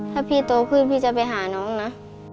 ถ้าพี่โตขึ้นพี่จะไปหาน้องนะ